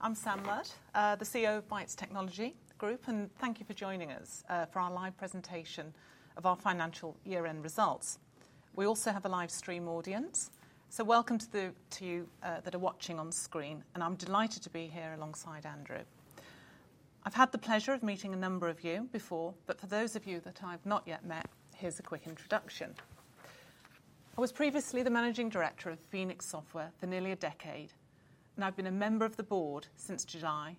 Good morning, everyone. I'm Sam Mudd, the CEO of Bytes Technology Group, and thank you for joining us, for our live presentation of our financial year-end results. We also have a live stream audience, so welcome to you that are watching on screen, and I'm delighted to be here alongside Andrew. I've had the pleasure of meeting a number of you before, but for those of you that I've not yet met, here's a quick introduction. I was previously the managing director of Phoenix Software for nearly a decade, and I've been a member of the board since July,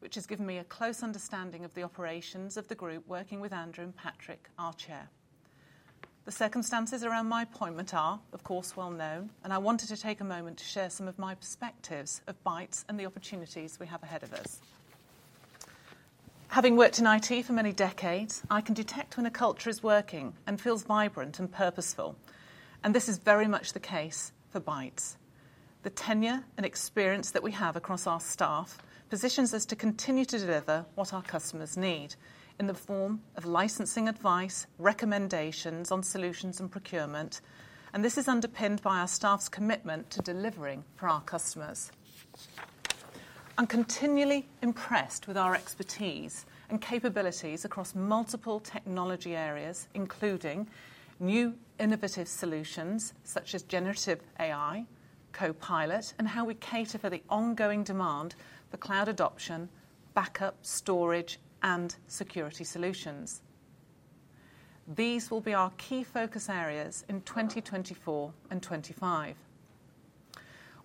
which has given me a close understanding of the operations of the group, working with Andrew and Patrick, our chair. The circumstances around my appointment are, of course, well known, and I wanted to take a moment to share some of my perspectives of Bytes and the opportunities we have ahead of us. Having worked in IT for many decades, I can detect when a culture is working and feels vibrant and purposeful, and this is very much the case for Bytes. The tenure and experience that we have across our staff positions us to continue to deliver what our customers need in the form of licensing advice, recommendations on solutions and procurement, and this is underpinned by our staff's commitment to delivering for our customers. I'm continually impressed with our expertise and capabilities across multiple technology areas, including new innovative solutions such as Generative AI, Copilot, and how we cater for the ongoing demand for cloud adoption, backup, storage, and security solutions. These will be our key focus areas in 2024 and 2025.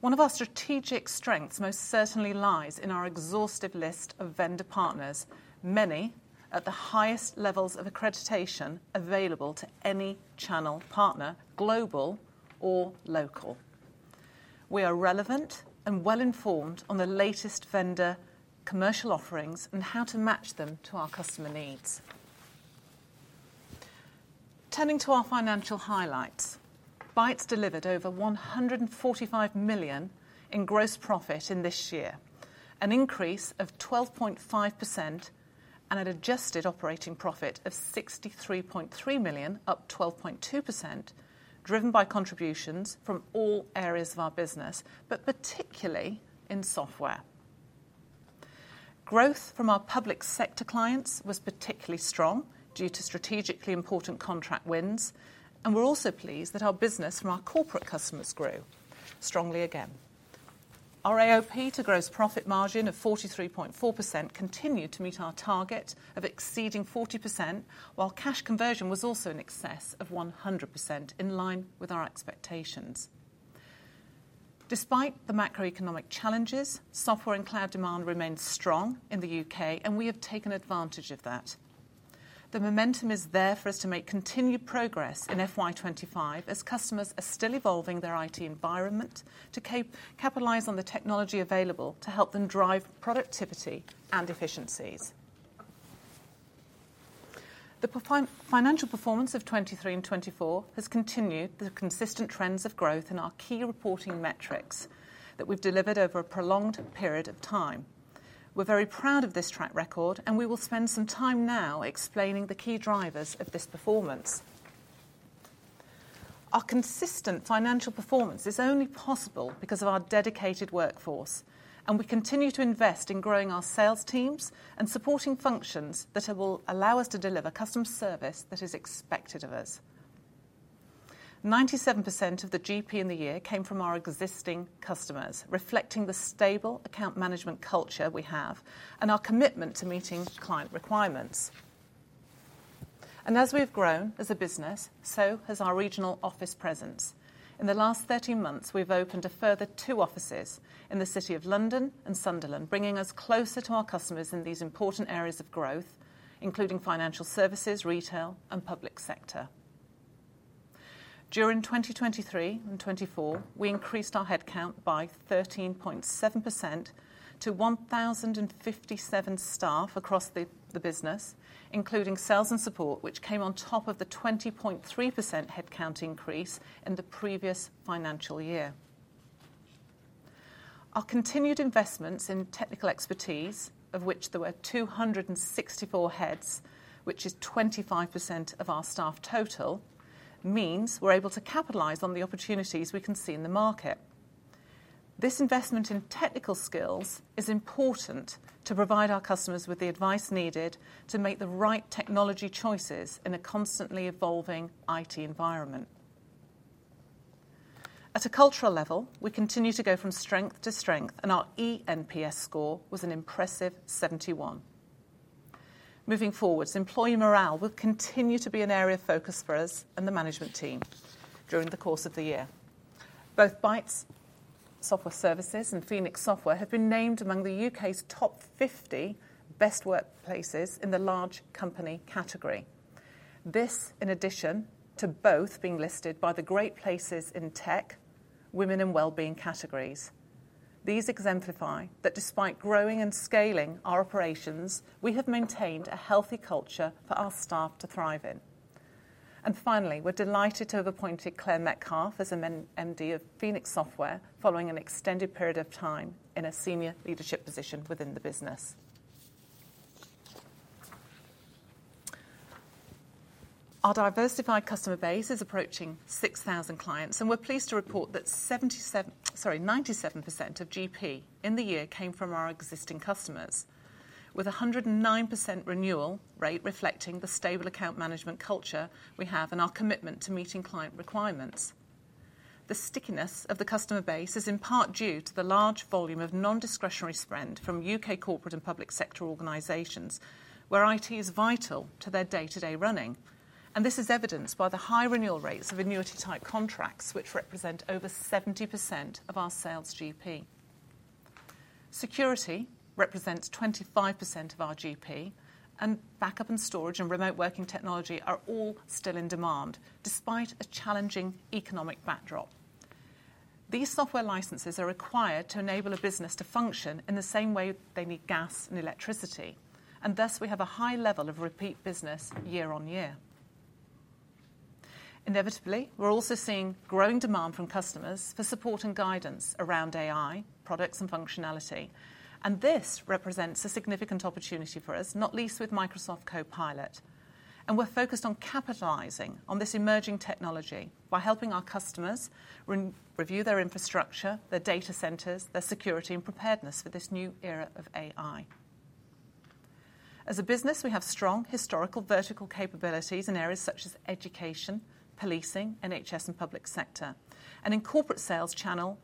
One of our strategic strengths most certainly lies in our exhaustive list of vendor partners, many at the highest levels of accreditation available to any channel partner, global or local. We are relevant and well-informed on the latest vendor commercial offerings and how to match them to our customer needs. Turning to our financial highlights, Bytes delivered over 145 million in gross profit in this year, an increase of 12.5% and an adjusted operating profit of 63.3 million, up 12.2%, driven by contributions from all areas of our business, but particularly in software. Growth from our public sector clients was particularly strong due to strategically important contract wins, and we're also pleased that our business from our corporate customers grew strongly again. Our AOP to gross profit margin of 43.4% continued to meet our target of exceeding 40%, while cash conversion was also in excess of 100%, in line with our expectations. Despite the macroeconomic challenges, software and cloud demand remains strong in the UK, and we have taken advantage of that. The momentum is there for us to make continued progress in FY 2025, as customers are still evolving their IT environment to capitalize on the technology available to help them drive productivity and efficiencies. The financial performance of 2023 and 2024 has continued the consistent trends of growth in our key reporting metrics that we've delivered over a prolonged period of time. We're very proud of this track record, and we will spend some time now explaining the key drivers of this performance. Our consistent financial performance is only possible because of our dedicated workforce, and we continue to invest in growing our sales teams and supporting functions that will allow us to deliver customer service that is expected of us. 97% of the GP in the year came from our existing customers, reflecting the stable account management culture we have and our commitment to meeting client requirements. As we've grown as a business, so has our regional office presence. In the last 13 months, we've opened a further 2 offices in the City of London and Sunderland, bringing us closer to our customers in these important areas of growth, including financial services, retail, and public sector. During 2023 and 2024, we increased our headcount by 13.7% to 1,057 staff across the business, including sales and support, which came on top of the 20.3% headcount increase in the previous financial year. Our continued investments in technical expertise, of which there were 264 heads, which is 25% of our staff total, means we're able to capitalize on the opportunities we can see in the market. This investment in technical skills is important to provide our customers with the advice needed to make the right technology choices in a constantly evolving IT environment. At a cultural level, we continue to go from strength to strength, and our eNPS score was an impressive 71. Moving forward, employee morale will continue to be an area of focus for us and the management team during the course of the year. Both Bytes Software Services and Phoenix Software have been named among the U.K.'s top 50 Best Workplaces in the large company category. This in addition to both being listed by the Great Place to Work in Tech, Women and Wellbeing categories. These exemplify that despite growing and scaling our operations, we have maintained a healthy culture for our staff to thrive in. And finally, we're delighted to have appointed Clare Metcalfe as the new MD of Phoenix Software, following an extended period of time in a senior leadership position within the business. Our diversified customer base is approaching 6,000 clients, and we're pleased to report that 77, sorry, 97% of GP in the year came from our existing customers, with a 109% renewal rate reflecting the stable account management culture we have and our commitment to meeting client requirements. The stickiness of the customer base is in part due to the large volume of non-discretionary spend from UK corporate and public sector organizations, where IT is vital to their day-to-day running, and this is evidenced by the high renewal rates of annuity-type contracts, which represent over 70% of our sales GP. Security represents 25% of our GP, and backup and storage and remote working technology are all still in demand, despite a challenging economic backdrop. These software licenses are required to enable a business to function in the same way they need gas and electricity, and thus we have a high level of repeat business year on year. Inevitably, we're also seeing growing demand from customers for support and guidance around AI, products, and functionality. This represents a significant opportunity for us, not least with Microsoft Copilot. We're focused on capitalizing on this emerging technology by helping our customers re-review their infrastructure, their data centers, their security, and preparedness for this new era of AI. As a business, we have strong historical vertical capabilities in areas such as education, policing, NHS, and public sector, and in corporate sales channel,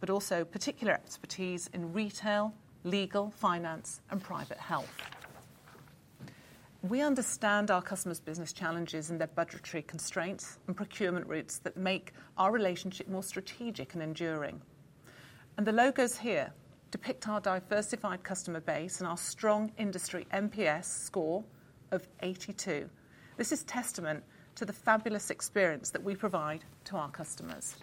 but also particular expertise in retail, legal, finance, and private health. We understand our customers' business challenges and their budgetary constraints and procurement routes that make our relationship more strategic and enduring. The logos here depict our diversified customer base and our strong industry NPS score of 82. This is testament to the fabulous experience that we provide to our customers.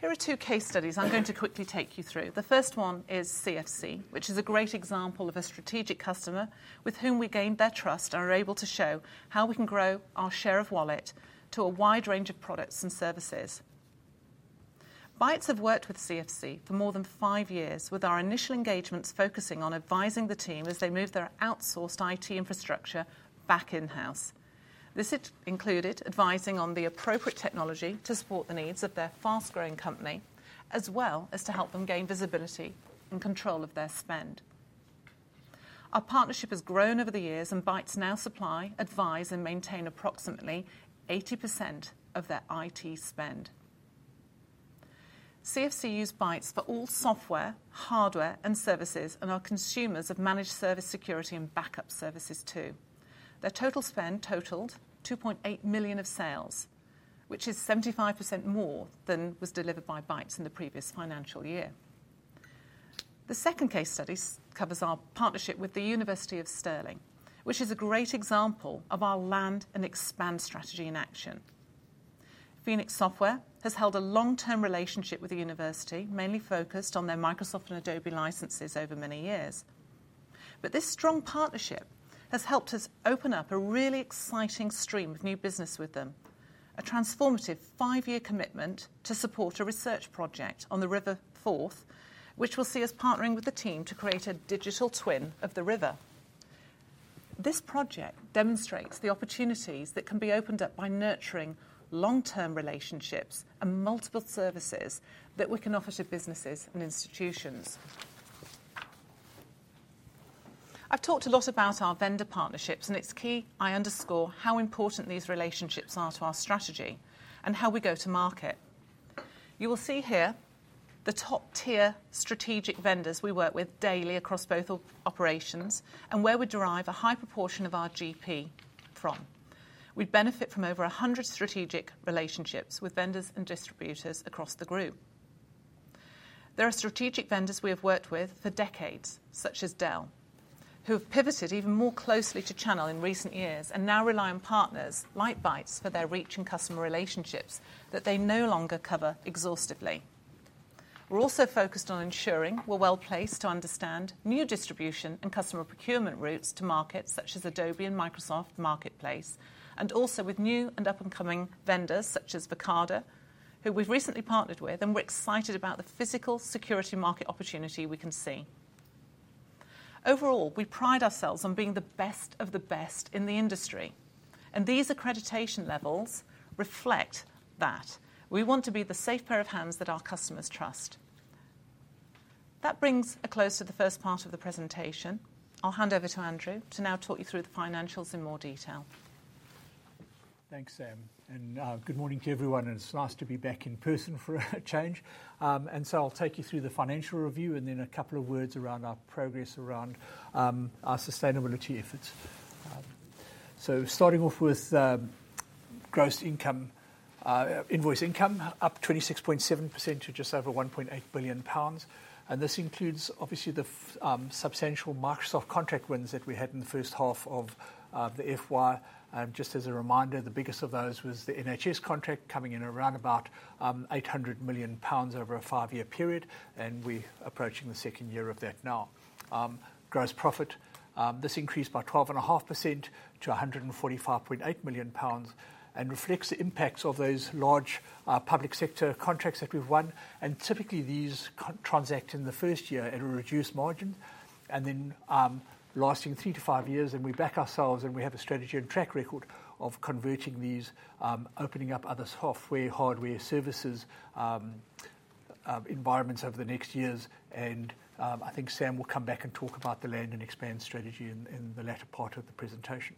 Here are two case studies I'm going to quickly take you through. The first one is CFC, which is a great example of a strategic customer with whom we gained their trust and are able to show how we can grow our share of wallet to a wide range of products and services. Bytes have worked with CFC for more than 5 years, with our initial engagements focusing on advising the team as they move their outsourced IT infrastructure back in-house. This included advising on the appropriate technology to support the needs of their fast-growing company, as well as to help them gain visibility and control of their spend. Our partnership has grown over the years, and Bytes now supply, advise, and maintain approximately 80% of their IT spend. CFC use Bytes for all software, hardware, and services and are consumers of managed service, security, and backup services, too. Their total spend totaled 2.8 million of sales, which is 75% more than was delivered by Bytes in the previous financial year. The second case study covers our partnership with the University of Stirling, which is a great example of our land and expand strategy in action. Phoenix Software has held a long-term relationship with the university, mainly focused on their Microsoft and Adobe licenses over many years. But this strong partnership has helped us open up a really exciting stream of new business with them. A transformative five-year commitment to support a research project on the River Forth, which will see us partnering with the team to create a digital twin of the river. This project demonstrates the opportunities that can be opened up by nurturing long-term relationships and multiple services that we can offer to businesses and institutions. I've talked a lot about our vendor partnerships, and it's key I underscore how important these relationships are to our strategy and how we go to market. You will see here the top-tier strategic vendors we work with daily across both operations, and where we derive a high proportion of our GP from. We benefit from over 100 strategic relationships with vendors and distributors across the group. There are strategic vendors we have worked with for decades, such as Dell, who have pivoted even more closely to channel in recent years and now rely on partners like Bytes for their reach and customer relationships that they no longer cover exhaustively. We're also focused on ensuring we're well-placed to understand new distribution and customer procurement routes to markets such as Adobe and Microsoft Marketplace, and also with new and up-and-coming vendors such as Verkada, who we've recently partnered with, and we're excited about the physical security market opportunity we can see. Overall, we pride ourselves on being the best of the best in the industry, and these accreditation levels reflect that. We want to be the safe pair of hands that our customers trust. That brings a close to the first part of the presentation. I'll hand over to Andrew to now talk you through the financials in more detail. Thanks, Sam, and good morning to everyone, and it's nice to be back in person for a change. And so I'll take you through the financial review and then a couple of words around our progress around our sustainability efforts. So starting off with gross income, invoice income up 26.7% to just over 1.8 billion pounds. And this includes, obviously, the substantial Microsoft contract wins that we had in the first half of the FY. And just as a reminder, the biggest of those was the NHS contract, coming in around about 800 million pounds over a five-year period, and we're approaching the second year of that now. Gross profit, this increased by 12.5% to 145.8 million pounds and reflects the impacts of those large, public sector contracts that we've won. And typically, these contracts transact in the first year at a reduced margin and then, lasting 3 to 5 years, and we back ourselves, and we have a strategy and track record of converting these, opening up other software, hardware, services, environments over the next years, and, I think Sam will come back and talk about the land and expand strategy in, in the latter part of the presentation.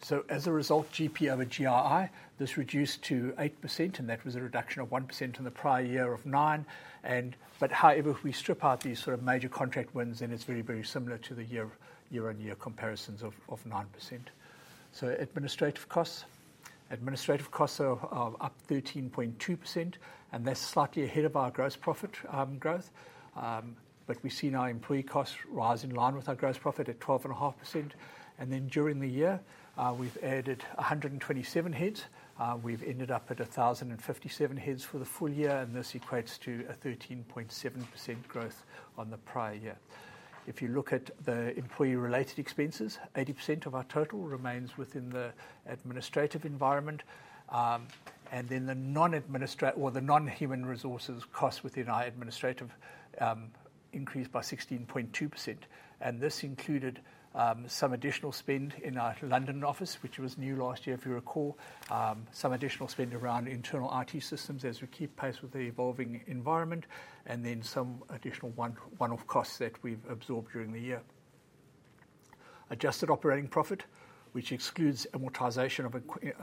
So as a result, GP over GII, this reduced to 8%, and that was a reduction of 1% in the prior year of 9%. However, if we strip out these sort of major contract wins, then it's very, very similar to the year-on-year comparisons of 9%. So administrative costs. Administrative costs are up 13.2%, and they're slightly ahead of our gross profit growth. But we've seen our employee costs rise in line with our gross profit at 12.5%. And then, during the year, we've added 127 heads. We've ended up at 1,057 heads for the full year, and this equates to a 13.7% growth on the prior year. If you look at the employee-related expenses, 80% of our total remains within the administrative environment, and then the non-human resources costs within our administrative increased by 16.2%, and this included some additional spend in our London office, which was new last year, if you recall. Some additional spend around internal IT systems as we keep pace with the evolving environment, and then some additional one-off costs that we've absorbed during the year. Adjusted operating profit, which excludes amortization of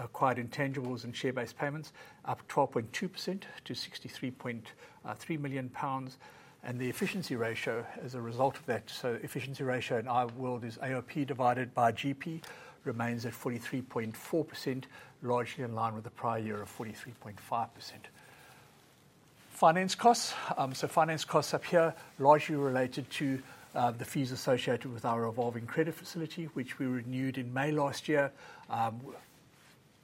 acquired intangibles and share-based payments, up 12.2% to 63.3 million pounds, and the efficiency ratio as a result of that. So efficiency ratio in our world is AOP divided by GP, remains at 43.4%, largely in line with the prior year of 43.5%. Finance costs. So finance costs up here, largely related to the fees associated with our revolving credit facility, which we renewed in May last year,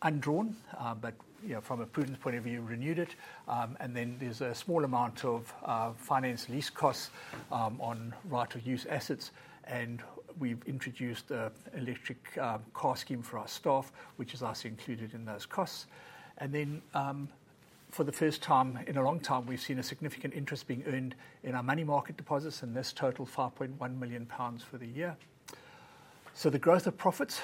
undrawn, but you know, from a prudence point of view, renewed it. And then there's a small amount of finance lease costs on right to use assets, and we've introduced an electric car scheme for our staff, which is also included in those costs. And then, for the first time in a long time, we've seen a significant interest being earned in our money market deposits, and this totaled 5.1 million pounds for the year. So the growth of profits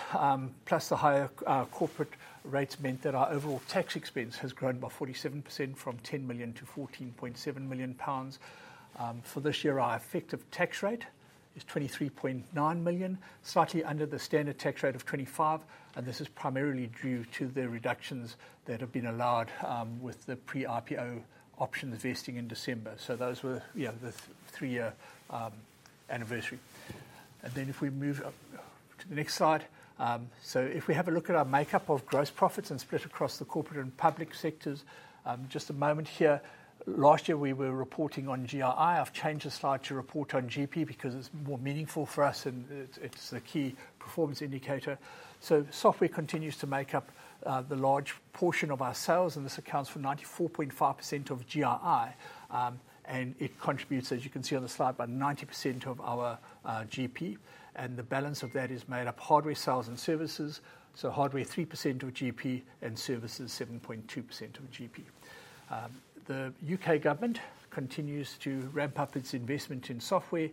plus the higher corporate rates meant that our overall tax expense has grown by 47%, from 10 million to 14.7 million pounds. For this year, our effective tax rate is 23.9 million, slightly under the standard tax rate of 25, and this is primarily due to the reductions that have been allowed, with the pre-IPO options vesting in December. So those were, you know, the 3-year anniversary. And then if we move up to the next slide. So if we have a look at our makeup of gross profits and split across the corporate and public sectors, just a moment here. Last year, we were reporting on GII. I've changed the slide to report on GP because it's more meaningful for us, and it, it's the key performance indicator. So software continues to make up the large portion of our sales, and this accounts for 94.5% of GII. And it contributes, as you can see on the slide, about 90% of our GP, and the balance of that is made up hardware sales and services. So hardware, 3% of GP, and services, 7.2% of GP. The UK government continues to ramp up its investment in software,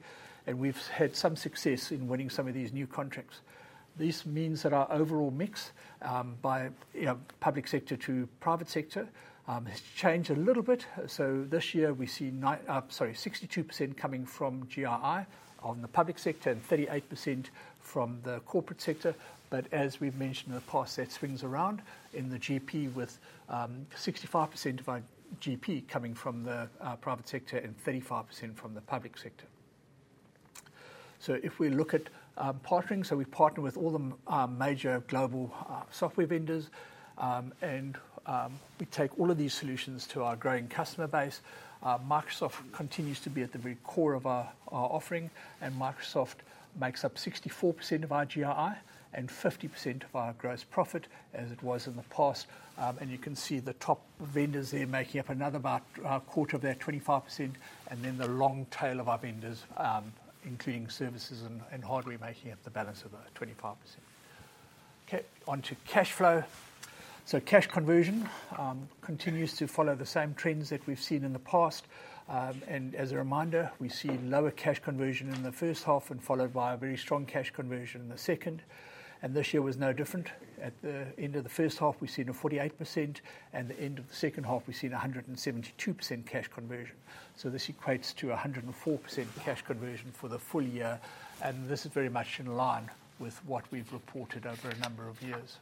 and we've had some success in winning some of these new contracts. This means that our overall mix, by, you know, public sector to private sector, has changed a little bit. So this year, we see 62% coming from GII on the public sector and 38% from the corporate sector. But as we've mentioned in the past, that swings around in the GP with 65% of our GP coming from the private sector and 35% from the public sector. So if we look at partnering, so we partner with all the major global software vendors. And we take all of these solutions to our growing customer base. Microsoft continues to be at the very core of our offering, and Microsoft makes up 64% of our GII and 50% of our gross profit, as it was in the past. And you can see the top vendors there making up another about a quarter of that, 25%, and then the long tail of our vendors, including services and hardware, making up the balance of the 25%. Okay, onto cash flow. So cash conversion continues to follow the same trends that we've seen in the past. As a reminder, we see lower cash conversion in the first half and followed by a very strong cash conversion in the second, and this year was no different. At the end of the first half, we've seen a 48%, and the end of the second half, we've seen a 172% cash conversion. So this equates to a 104% cash conversion for the full year, and this is very much in line with what we've reported over a number of years.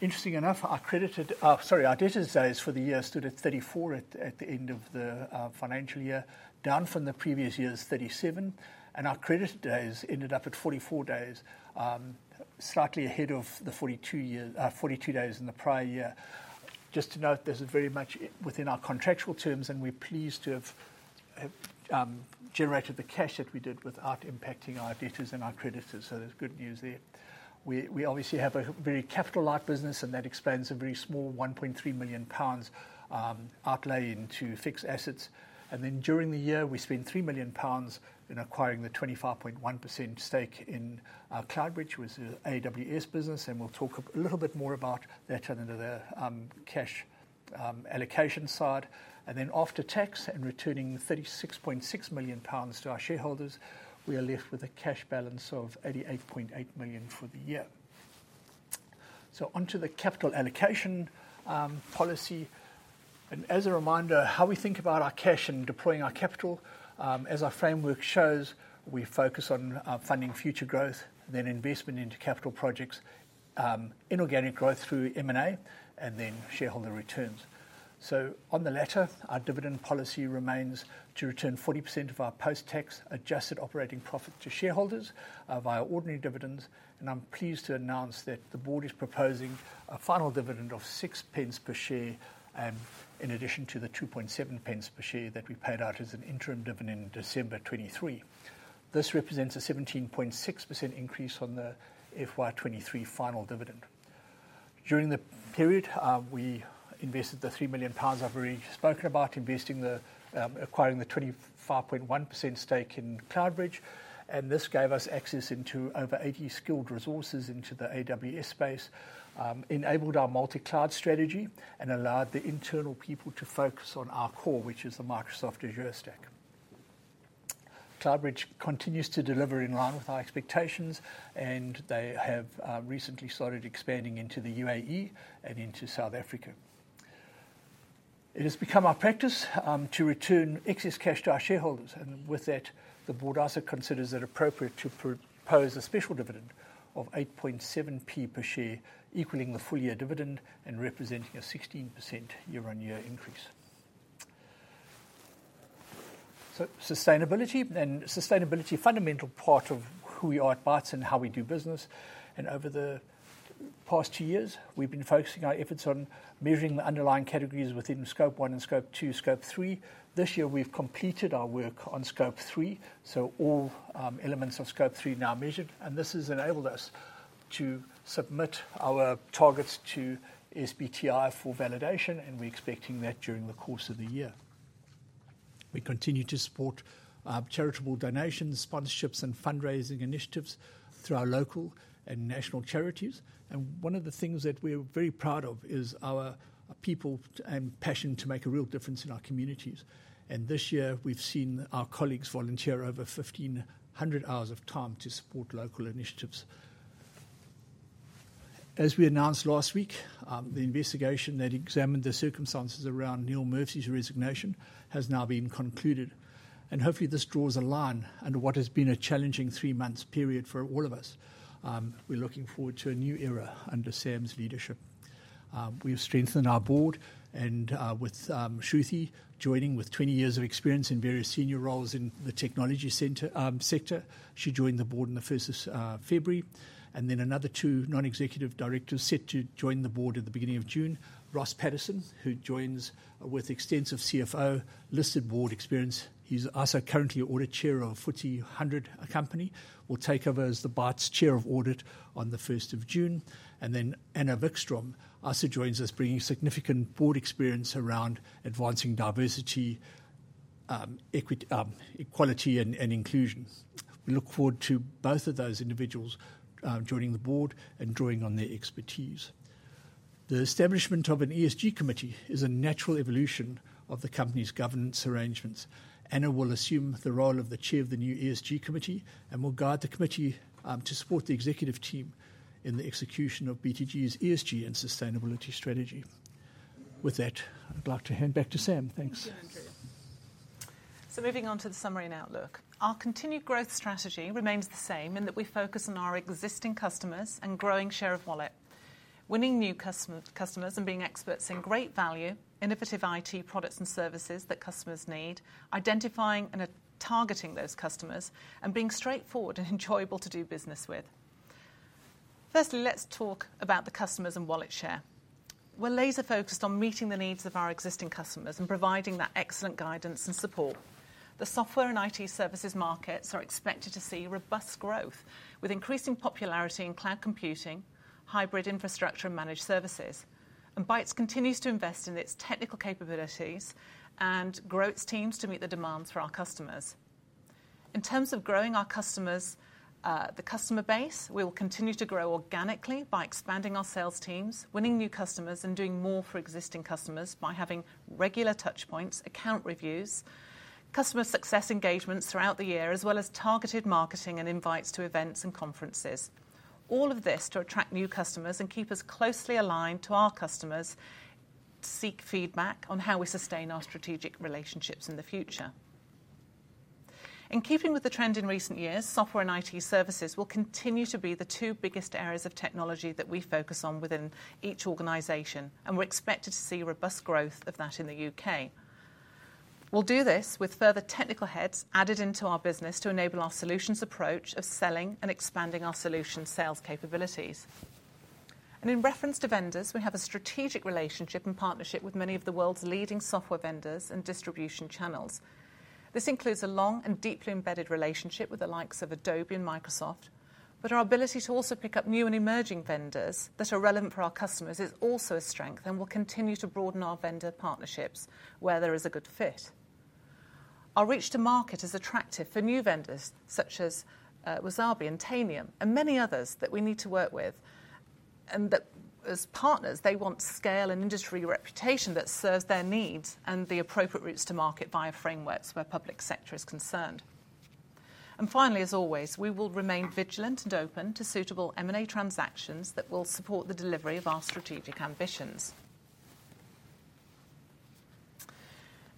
Interesting enough, our debtors days for the year stood at 34 at the end of the financial year, down from the previous year's 37, and our credit days ended up at 44 days, slightly ahead of the 42 year, 42 days in the prior year. Just to note, this is very much within our contractual terms, and we're pleased to have generated the cash that we did without impacting our debtors and our creditors, so there's good news there. We obviously have a very capital-light business, and that expands a very small 1.3 million pounds outlay into fixed assets. And then, during the year, we spent 3 million pounds in acquiring the 25.1% stake in CloudBridge, which is AWS business, and we'll talk a little bit more about that under the cash allocation side. And then after tax and returning 36.6 million pounds to our shareholders, we are left with a cash balance of 88.8 million for the year. So onto the capital allocation policy. As a reminder, how we think about our cash and deploying our capital, as our framework shows, we focus on funding future growth, then investment into capital projects, inorganic growth through M&A, and then shareholder returns. On the latter, our dividend policy remains to return 40% of our post-tax adjusted operating profit to shareholders via ordinary dividends. I'm pleased to announce that the board is proposing a final dividend of 0.06 per share in addition to the 0.027 per share that we paid out as an interim dividend in December 2023. This represents a 17.6% increase on the FY 2023 final dividend. During the period, we invested 3 million pounds. I've already spoken about acquiring the 25.1% stake in CloudBridge, and this gave us access into over 80 skilled resources into the AWS space, enabled our multi-cloud strategy and allowed the internal people to focus on our core, which is the Microsoft Azure stack. CloudBridge continues to deliver in line with our expectations, and they have recently started expanding into the UAE and into South Africa. It has become our practice to return excess cash to our shareholders, and with that, the board also considers it appropriate to propose a special dividend of 0.087 per share, equaling the full-year dividend and representing a 16% year-on-year increase. So sustainability, and sustainability, a fundamental part of who we are at Bytes and how we do business. Over the past two years, we've been focusing our efforts on measuring the underlying categories within Scope 1 and Scope 2, Scope 3. This year, we've completed our work on Scope 3, so all, elements of Scope 3 are now measured, and this has enabled us to submit our targets to SBTi for validation, and we're expecting that during the course of the year. We continue to support, charitable donations, sponsorships, and fundraising initiatives through our local and national charities. One of the things that we're very proud of is our, our people and passion to make a real difference in our communities. This year, we've seen our colleagues volunteer over 1,500 hours of time to support local initiatives. As we announced last week, the investigation that examined the circumstances around Neil Murphy's resignation has now been concluded, and hopefully, this draws a line under what has been a challenging three months period for all of us. We're looking forward to a new era under Sam's leadership. We've strengthened our board, and with Shruthi joining with 20 years of experience in various senior roles in the technology sector. She joined the board on the first of February, and then another two non-executive directors set to join the board at the beginning of June. Ross Paterson, who joins with extensive CFO listed board experience. He's also currently Audit Chair of FTSE 100 company, will take over as the Bytes' Chair of Audit on the first of June. And then Anna Vikström also joins us, bringing significant board experience around advancing diversity, equity, equality, and, and inclusion. We look forward to both of those individuals joining the board and drawing on their expertise. The establishment of an ESG committee is a natural evolution of the company's governance arrangements. Anna will assume the role of the Chair of the new ESG committee and will guide the committee to support the executive team in the execution of BTG's ESG and sustainability strategy. With that, I'd like to hand back to Sam. Thanks. Thank you, Andrew. Moving on to the summary and outlook. Our continued growth strategy remains the same in that we focus on our existing customers and growing share of wallet, winning new customer, customers and being experts in great value, innovative IT products and services that customers need, identifying and targeting those customers, and being straightforward and enjoyable to do business with. Firstly, let's talk about the customers and wallet share. We're laser-focused on meeting the needs of our existing customers and providing that excellent guidance and support. The software and IT services markets are expected to see robust growth, with increasing popularity in cloud computing, hybrid infrastructure, and managed services. Bytes continues to invest in its technical capabilities and grow its teams to meet the demands for our customers. In terms of growing our customers, the customer base, we will continue to grow organically by expanding our sales teams, winning new customers, and doing more for existing customers by having regular touch points, account reviews, customer success engagements throughout the year, as well as targeted marketing and invites to events and conferences. All of this to attract new customers and keep us closely aligned to our customers, to seek feedback on how we sustain our strategic relationships in the future. In keeping with the trend in recent years, software and IT services will continue to be the two biggest areas of technology that we focus on within each organization, and we're expected to see robust growth of that in the UK. We'll do this with further technical heads added into our business to enable our solutions approach of selling and expanding our solution sales capabilities. In reference to vendors, we have a strategic relationship and partnership with many of the world's leading software vendors and distribution channels. This includes a long and deeply embedded relationship with the likes of Adobe and Microsoft, but our ability to also pick up new and emerging vendors that are relevant for our customers is also a strength and will continue to broaden our vendor partnerships where there is a good fit. Our reach to market is attractive for new vendors such as Wasabi and Tanium and many others that we need to work with, and that as partners, they want scale and industry reputation that serves their needs and the appropriate routes to market via frameworks where public sector is concerned. Finally, as always, we will remain vigilant and open to suitable M&A transactions that will support the delivery of our strategic ambitions.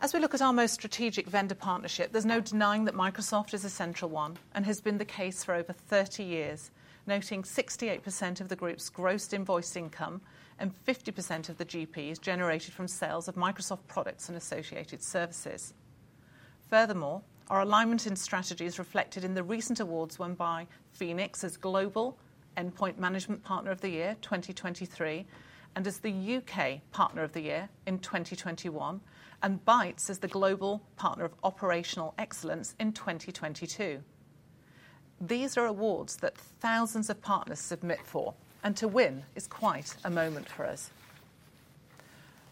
As we look at our most strategic vendor partnership, there's no denying that Microsoft is a central one and has been the case for over 30 years, noting 68% of the group's gross invoiced income and 50% of the GPs generated from sales of Microsoft products and associated services. Furthermore, our alignment in strategy is reflected in the recent awards won by Phoenix as Global Endpoint Management Partner of the Year, 2023, and as the UK Partner of the Year in 2021, and Bytes as the Global Partner of Operational Excellence in 2022. These are awards that thousands of partners submit for, and to win is quite a moment for us.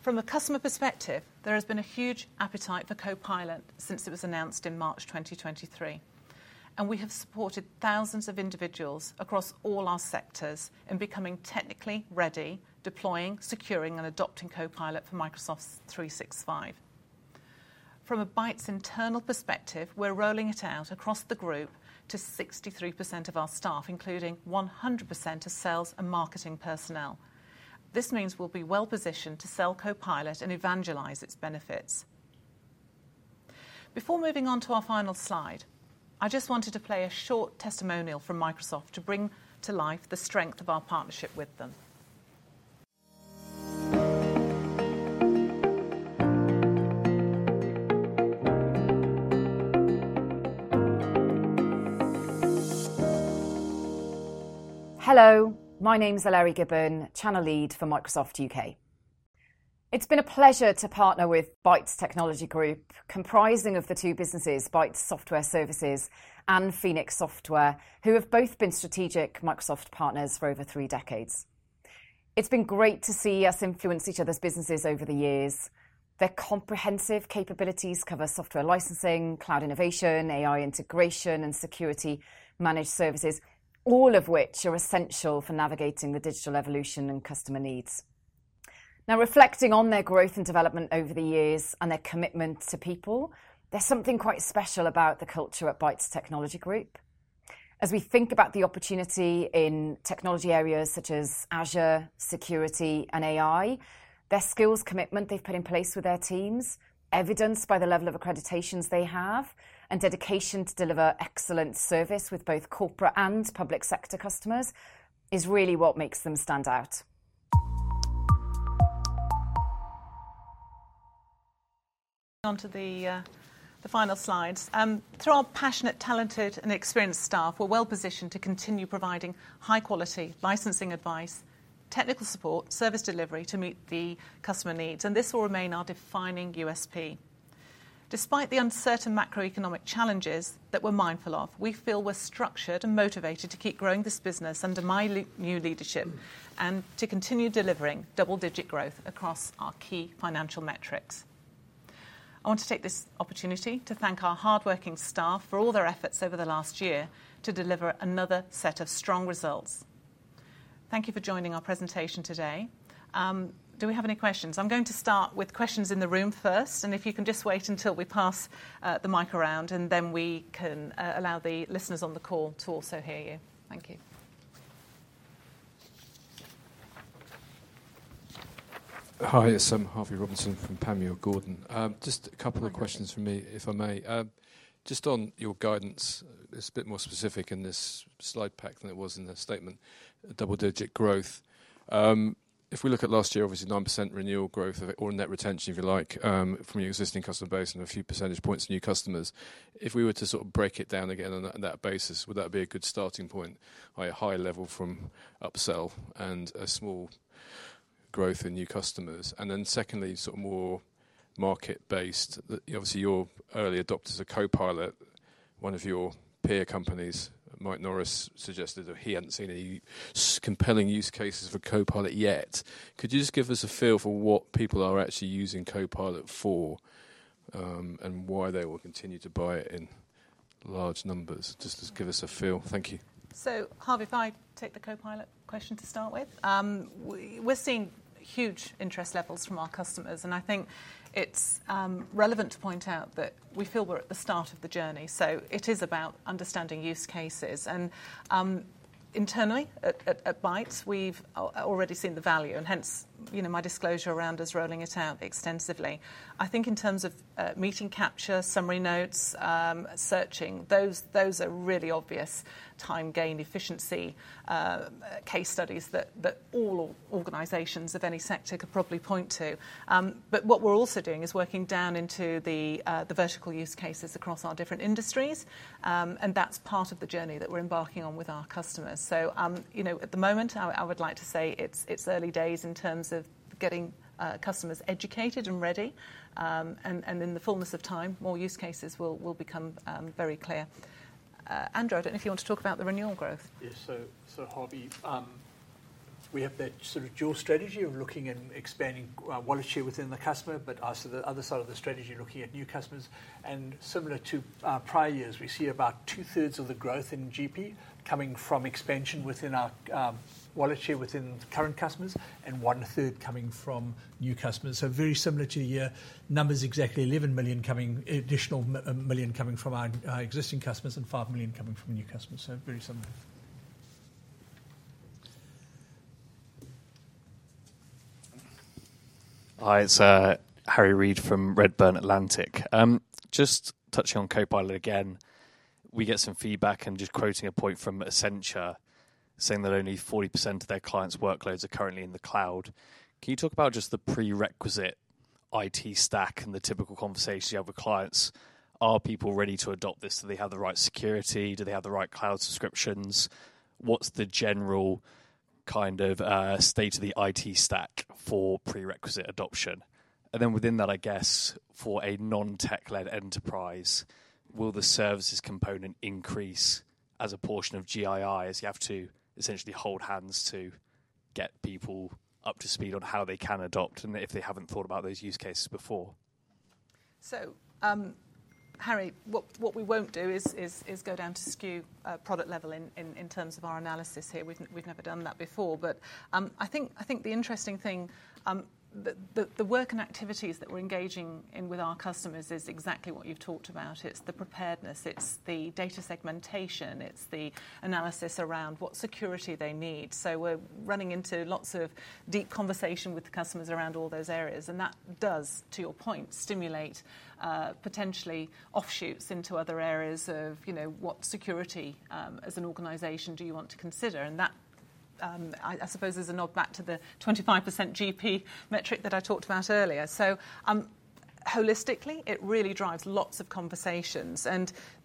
From a customer perspective, there has been a huge appetite for Copilot since it was announced in March 2023, and we have supported thousands of individuals across all our sectors in becoming technically ready, deploying, securing, and adopting Copilot for Microsoft 365. From a Bytes' internal perspective, we're rolling it out across the group to 63% of our staff, including 100% of sales and marketing personnel. This means we'll be well-positioned to sell Copilot and evangelize its benefits. Before moving on to our final slide, I just wanted to play a short testimonial from Microsoft to bring to life the strength of our partnership with them. Hello, my name is Eleri Gibbon, Channel Lead for Microsoft UK. It's been a pleasure to partner with Bytes Technology Group, comprising of the two businesses, Bytes Software Services and Phoenix Software, who have both been strategic Microsoft partners for over three decades. It's been great to see us influence each other's businesses over the years. Their comprehensive capabilities cover software licensing, cloud innovation, AI integration, and security managed services, all of which are essential for navigating the digital evolution and customer needs. Now, reflecting on their growth and development over the years and their commitment to people, there's something quite special about the culture at Bytes Technology Group. As we think about the opportunity in technology areas such as Azure, security, and AI, their skills, commitment they've put in place with their teams, evidenced by the level of accreditations they have, and dedication to deliver excellent service with both corporate and public sector customers, is really what makes them stand out. Onto the final slides. Through our passionate, talented and experienced staff, we're well positioned to continue providing high-quality licensing advice, technical support, service delivery to meet the customer needs, and this will remain our defining USP. Despite the uncertain macroeconomic challenges that we're mindful of, we feel we're structured and motivated to keep growing this business under new leadership and to continue delivering double-digit growth across our key financial metrics. I want to take this opportunity to thank our hardworking staff for all their efforts over the last year to deliver another set of strong results. Thank you for joining our presentation today. Do we have any questions? I'm going to start with questions in the room first, and if you can just wait until we pass the mic around, and then we can allow the listeners on the call to also hear you. Thank you. Hi, it's Harvey Robinson from Panmure Gordon. Just a couple of questions from me, if I may. Just on your guidance, it's a bit more specific in this slide pack than it was in the statement, double-digit growth. If we look at last year, obviously, 9% renewal growth or net retention, if you like, from your existing customer base and a few percentage points of new customers. If we were to sort of break it down again on that basis, would that be a good starting point? By a high level from upsell and a small growth in new customers. And then secondly, sort of more market-based. Obviously, you're early adopters of Copilot, one of your peer companies, Mike Norris, suggested that he hadn't seen any compelling use cases for Copilot yet. Could you just give us a feel for what people are actually using Copilot for, and why they will continue to buy it in large numbers? Just give us a feel. Thank you. So, Harvey, if I take the Copilot question to start with. We're seeing huge interest levels from our customers, and I think it's relevant to point out that we feel we're at the start of the journey, so it is about understanding use cases. And, internally, at Bytes, we've already seen the value, and hence, you know, my disclosure around us rolling it out extensively. I think in terms of meeting capture, summary notes, searching, those are really obvious time gain efficiency case studies that all organizations of any sector could probably point to. But what we're also doing is working down into the vertical use cases across our different industries, and that's part of the journey that we're embarking on with our customers. So, you know, at the moment, I would like to say it's early days in terms of getting customers educated and ready, and in the fullness of time, more use cases will become very clear. Andrew, I don't know if you want to talk about the renewal growth. Yes. So, Harvey, we have that sort of dual strategy of land and expand wallet share within the customer, but also the other side of the strategy, looking at new customers. Similar to prior years, we see about two-thirds of the growth in GP coming from expansion within our wallet share within the current customers and one-third coming from new customers. So very similar to the year. Numbers exactly 11 million additional coming from our existing customers and 5 million coming from new customers. So very similar.... Hi, it's Harry Read from Redburn Atlantic. Just touching on Copilot again, we get some feedback, and just quoting a point from Accenture, saying that only 40% of their clients' workloads are currently in the cloud. Can you talk about just the prerequisite IT stack and the typical conversation you have with clients? Are people ready to adopt this? Do they have the right security? Do they have the right cloud subscriptions? What's the general kind of state of the IT stack for prerequisite adoption? And then within that, I guess, for a non-tech-led enterprise, will the services component increase as a portion of GII, as you have to essentially hold hands to get people up to speed on how they can adopt, and if they haven't thought about those use cases before? So, Harry, what we won't do is go down to SKU, product level in terms of our analysis here. We've never done that before. But, I think the interesting thing, the work and activities that we're engaging in with our customers is exactly what you've talked about. It's the preparedness, it's the data segmentation, it's the analysis around what security they need. So we're running into lots of deep conversation with the customers around all those areas, and that does, to your point, stimulate potentially offshoots into other areas of, you know, what security as an organization do you want to consider? And that, I suppose, is a nod back to the 25% GP metric that I talked about earlier. So, holistically, it really drives lots of conversations.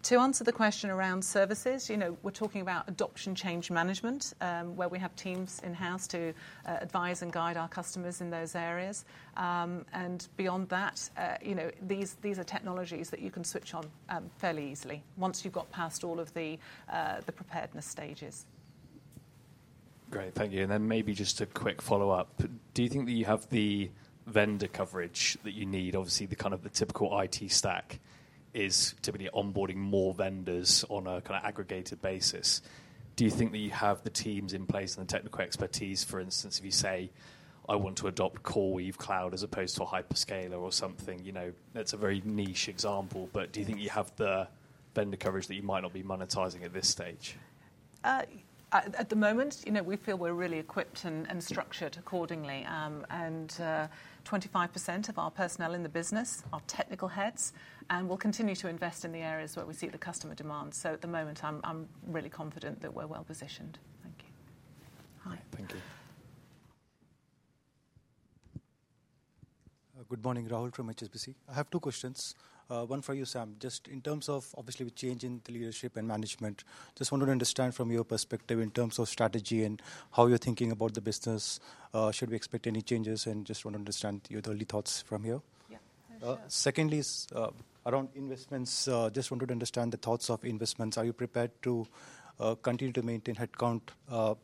To answer the question around services, you know, we're talking about adoption change management, where we have teams in-house to advise and guide our customers in those areas. And beyond that, you know, these, these are technologies that you can switch on fairly easily once you've got past all of the the preparedness stages. Great. Thank you. And then maybe just a quick follow-up. Do you think that you have the vendor coverage that you need? Obviously, the kind of the typical IT stack is typically onboarding more vendors on a kind of aggregated basis. Do you think that you have the teams in place and the technical expertise, for instance, if you say, "I want to adopt CoreWeave Cloud," as opposed to a hyperscaler or something, you know, that's a very niche example, but do you think you have the vendor coverage that you might not be monetizing at this stage? At the moment, you know, we feel we're really equipped and structured accordingly. Twenty-five percent of our personnel in the business are technical heads, and we'll continue to invest in the areas where we see the customer demand. So at the moment, I'm really confident that we're well positioned. Thank you. Hi. Thank you. Good morning. Rahul from HSBC. I have two questions, one for you, Sam. Just in terms of obviously the change in the leadership and management, just wanted to understand from your perspective in terms of strategy and how you're thinking about the business, should we expect any changes? And just want to understand your early thoughts from you. Yeah. Secondly, is around investments. Just wanted to understand the thoughts of investments. Are you prepared to continue to maintain headcount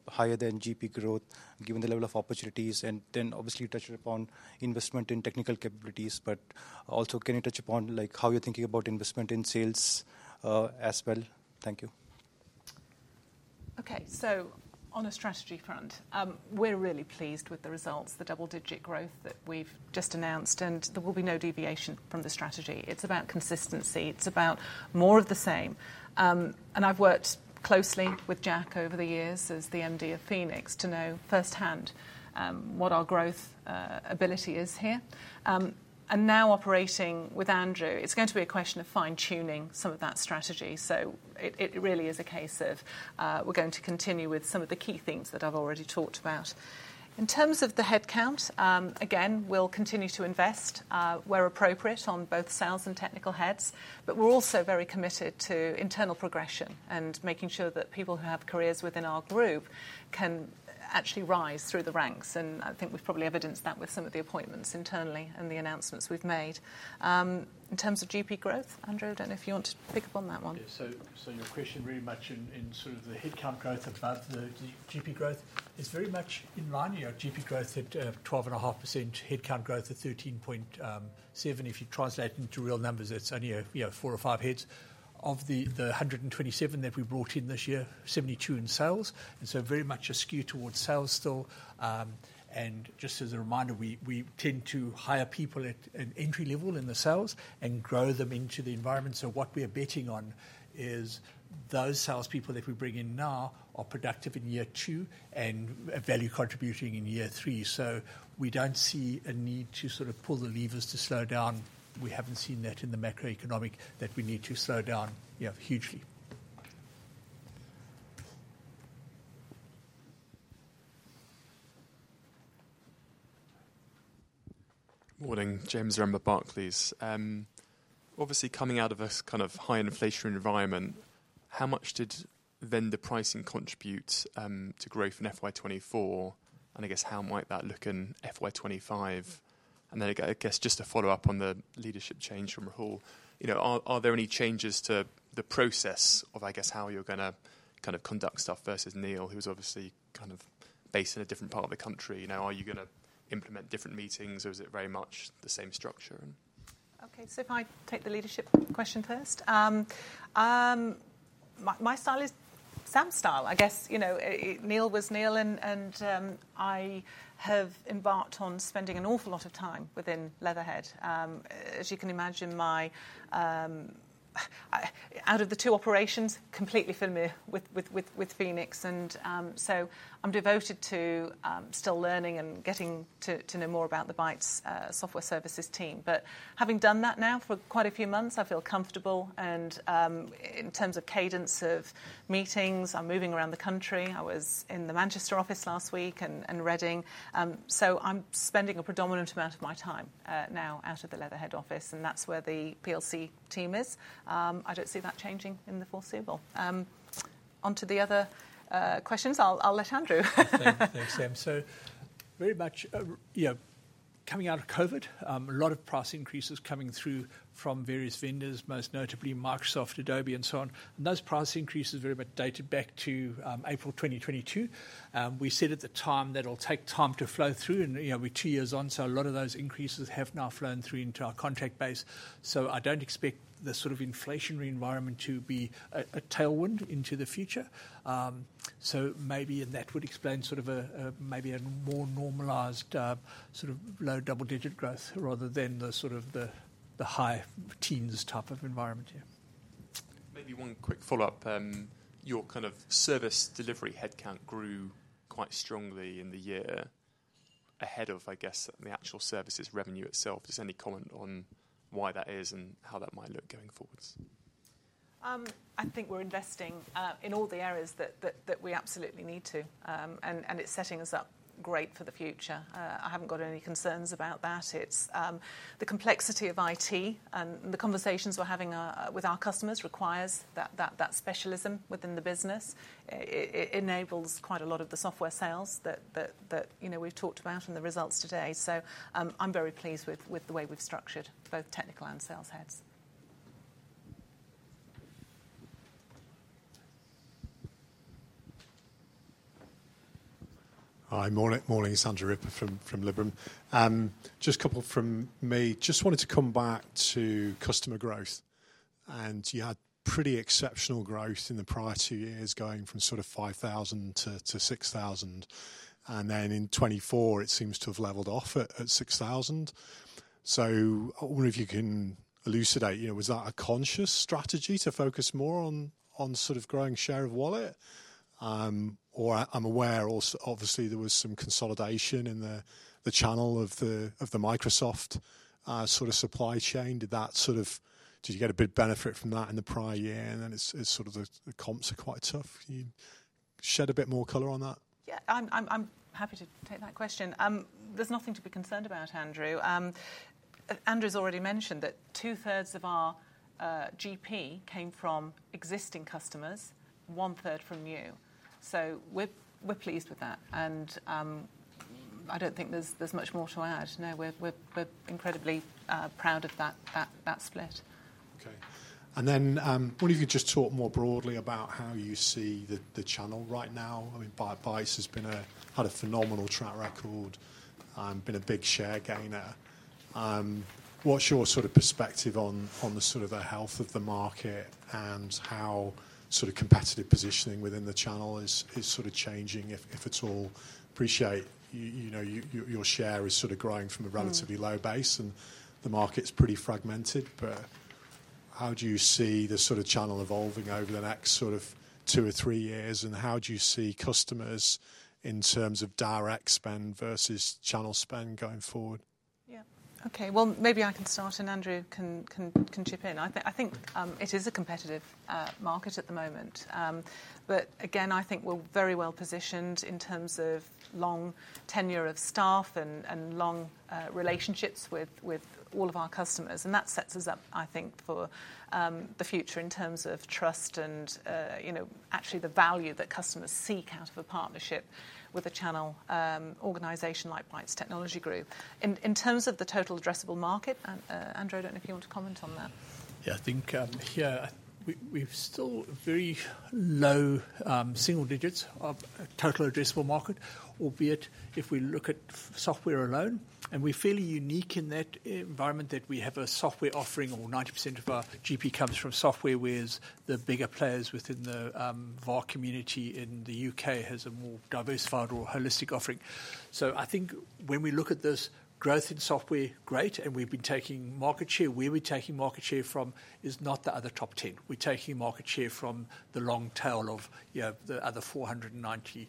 higher than GP growth, given the level of opportunities? And then obviously, you touched upon investment in technical capabilities, but also, can you touch upon, like, how you're thinking about investment in sales, as well? Thank you. Okay. So on a strategy front, we're really pleased with the results, the double-digit growth that we've just announced, and there will be no deviation from the strategy. It's about consistency. It's about more of the same. And I've worked closely with Jack over the years as the MD of Phoenix to know firsthand, what our growth, ability is here. And now operating with Andrew, it's going to be a question of fine-tuning some of that strategy. So it, it really is a case of, we're going to continue with some of the key things that I've already talked about. In terms of the headcount, again, we'll continue to invest, where appropriate on both sales and technical heads. But we're also very committed to internal progression and making sure that people who have careers within our group can actually rise through the ranks, and I think we've probably evidenced that with some of the appointments internally and the announcements we've made. In terms of GP growth, Andrew, I don't know if you want to pick up on that one. Yeah. So your question very much in sort of the headcount growth about the GP growth is very much in line. You know, GP growth at 12.5%, headcount growth at 13.7%. If you translate into real numbers, it's only, you know, 4 or 5 heads. Of the 127 that we brought in this year, 72 in sales, and so very much a skew towards sales still. And just as a reminder, we tend to hire people at an entry level in the sales and grow them into the environment. So what we are betting on is those salespeople that we bring in now are productive in year two and value contributing in year three. So we don't see a need to sort of pull the levers to slow down. We haven't seen that in the macroeconomic that we need to slow down, yeah, hugely. Morning. James Goodman, Barclays. Obviously, coming out of this kind of high inflationary environment, how much did vendor pricing contribute to growth in FY 2024? And I guess, how might that look in FY 2025? And then, I guess, just to follow up on the leadership change from Rahul, you know, are there any changes to the process of, I guess, how you're gonna kind of conduct stuff versus Neil, who's obviously kind of based in a different part of the country now? Are you gonna implement different meetings, or is it very much the same structure and- Okay, so if I take the leadership question first. My style is Sam's style. I guess, you know, Neil was Neil, and I have embarked on spending an awful lot of time within Leatherhead. As you can imagine, I'm out of the two operations, completely familiar with Phoenix. So I'm devoted to still learning and getting to know more about the Bytes Software Services team. But having done that now for quite a few months, I feel comfortable, and in terms of cadence of meetings, I'm moving around the country. I was in the Manchester office last week and Reading. I'm spending a predominant amount of my time now out of the Leatherhead office, and that's where the PLC team is. I don't see that changing in the foreseeable. On to the other questions. I'll let Andrew. Thanks, Sam. So very much, you know, coming out of COVID, a lot of price increases coming through from various vendors, most notably Microsoft, Adobe, and so on. And those price increases are very much dated back to April 2022. We said at the time that it'll take time to flow through, and, you know, we're two years on, so a lot of those increases have now flown through into our contract base. So I don't expect the sort of inflationary environment to be a tailwind into the future. So maybe, and that would explain sort of a maybe a more normalized sort of low double-digit growth rather than the sort of the high teens type of environment. Yeah. Maybe one quick follow-up. Your kind of service delivery headcount grew quite strongly in the year ahead of, I guess, the actual services revenue itself. Just any comment on why that is and how that might look going forward? I think we're investing in all the areas that we absolutely need to, and it's setting us up great for the future. I haven't got any concerns about that. It's the complexity of IT, and the conversations we're having with our customers requires that specialism within the business. It enables quite a lot of the software sales that, you know, we've talked about in the results today. So, I'm very pleased with the way we've structured both technical and sales heads. Hi, morning, morning. It's Andrew Ripper from Liberum. Just a couple from me. Just wanted to come back to customer growth, and you had pretty exceptional growth in the prior two years, going from sort of 5,000 to 6,000, and then in 2024, it seems to have leveled off at 6,000. So I wonder if you can elucidate, you know, was that a conscious strategy to focus more on sort of growing share of wallet? Or I'm aware also, obviously, there was some consolidation in the channel of the Microsoft sort of supply chain. Did that sort of... Did you get a big benefit from that in the prior year, and then it's sort of the comps are quite tough? Can you shed a bit more color on that? Yeah, I'm happy to take that question. There's nothing to be concerned about, Andrew. Andrew's already mentioned that two-thirds of our GP came from existing customers, one-third from new. So we're incredibly proud of that split. Okay. Then, wonder if you could just talk more broadly about how you see the channel right now. I mean, Bytes has had a phenomenal track record and been a big share gainer. What's your sort of perspective on the sort of health of the market and how sort of competitive positioning within the channel is sort of changing, if at all? Appreciate, you know, your share is sort of growing from a relatively- Mm. Low base, and the market's pretty fragmented, but how do you see the sort of channel evolving over the next sort of two or three years, and how do you see customers in terms of direct spend versus channel spend going forward? Yeah. Okay, well, maybe I can start, and Andrew can chip in. I think it is a competitive market at the moment. But again, I think we're very well-positioned in terms of long tenure of staff and long relationships with all of our customers, and that sets us up, I think, for the future in terms of trust and you know, actually the value that customers seek out of a partnership with a channel organization like Bytes Technology Group. In terms of the total addressable market, and Andrew, I don't know if you want to comment on that. Yeah, I think, yeah, we've, we've still very low, single digits of total addressable market, albeit if we look at software alone, and we're fairly unique in that environment, that we have a software offering, or 90% of our GP comes from software, whereas the bigger players within the, VAR community in the U.K. has a more diversified or holistic offering. So I think when we look at this growth in software, great, and we've been taking market share. Where we're taking market share from is not the other top ten. We're taking market share from the long tail of, you know, the other 490,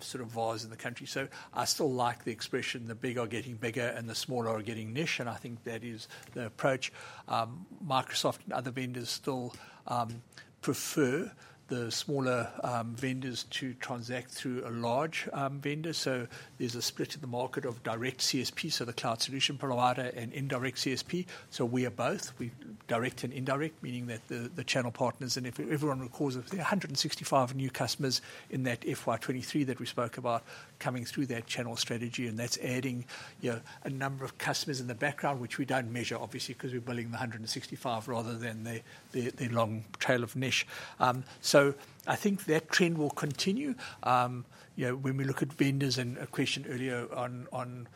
sort of VARs in the country. So I still like the expression, the bigger are getting bigger, and the smaller are getting niche, and I think that is the approach. Microsoft and other vendors still prefer the smaller vendors to transact through a large vendor. So there's a split in the market of direct CSP, so the cloud solution provider, and indirect CSP. So we are both. We're direct and indirect, meaning that the channel partners and everyone across the 165 new customers in that FY 2023 that we spoke about, coming through that channel strategy, and that's adding, you know, a number of customers in the background, which we don't measure, obviously, because we're building the 165 rather than the long trail of niche. So I think that trend will continue. You know, when we look at vendors, and a question earlier on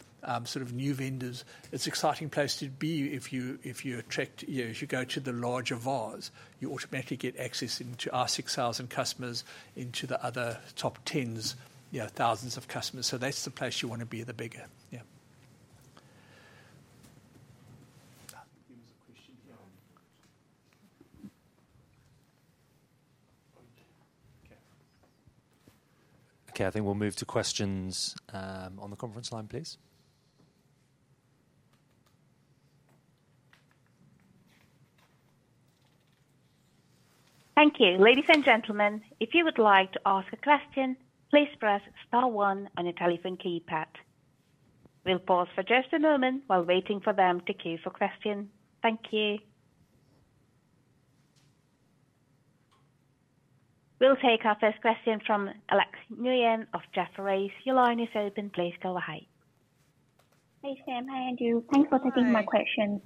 sort of new vendors, it's an exciting place to be if you attract... You know, if you go to the larger VARs, you automatically get access into our 6,000 customers, into the other top tens, you know, thousands of customers. So that's the place you want to be, the bigger. Yeah. There was a question here. Okay. Okay, I think we'll move to questions on the conference line, please. Thank you. Ladies and gentlemen, if you would like to ask a question, please press star one on your telephone keypad. We'll pause for just a moment while waiting for them to queue for question. Thank you. We'll take our first question from Alex Nguyen of Jefferies. Your line is open. Please go ahead. Hey, Sam. Hi, Andrew. Hi. Thanks for taking my question.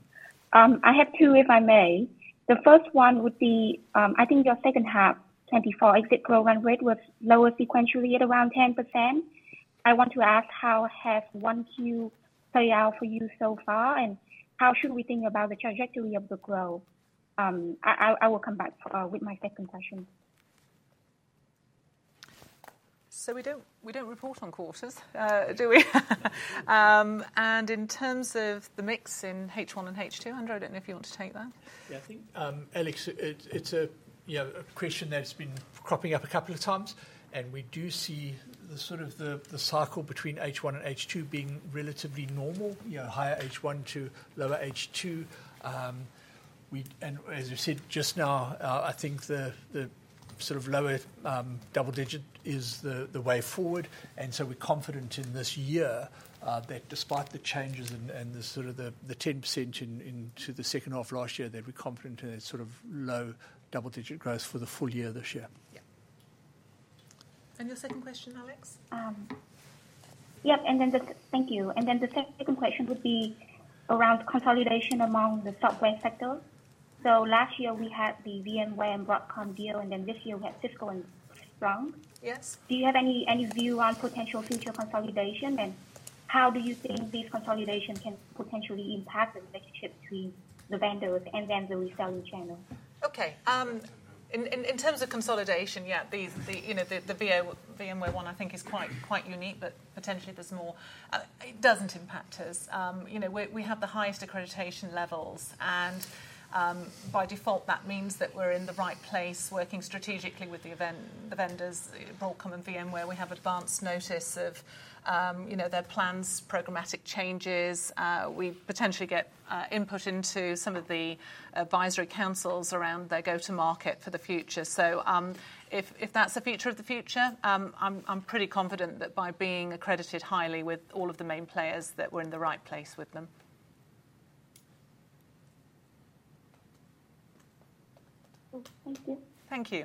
I have two, if I may. The first one would be, I think your second half 2024 exit program rate was lower sequentially at around 10%. I want to ask, how has 1Q played out for you so far, and how should we think about the trajectory of the growth? I will come back with my second question. We don't, we don't report on quarters, do we? In terms of the mix in H1 and H2, Andrew, I don't know if you want to take that. Yeah, I think, Alex, it's a, you know, a question that's been cropping up a couple of times, and we do see the sort of the cycle between H1 and H2 being relatively normal, you know, higher H1 to lower H2. And as you said just now, I think the sort of lower double digit is the way forward. And so we're confident in this year that despite the changes and the sort of the 10% in to the second half of last year, that we're confident in a sort of low double-digit growth for the full year this year. Yeah. And your second question, Alex? The second question would be around consolidation among the software sector. So last year, we had the VMware and Broadcom deal, and then this year we had Cisco and Splunk. Yes. Do you have any view on potential future consolidation, and how do you think this consolidation can potentially impact the relationship between the vendors and then the reselling channel? Okay. In terms of consolidation, yeah, the, you know, the VMware one, I think is quite unique, but potentially there's more. It doesn't impact us. You know, we have the highest accreditation levels, and by default, that means that we're in the right place, working strategically with the vendors, Broadcom and VMware. We have advance notice of their plans, programmatic changes. We potentially get input into some of the advisory councils around their go-to-market for the future. So, if that's the future of the future, I'm pretty confident that by being accredited highly with all of the main players, that we're in the right place with them. Cool. Thank you. Thank you.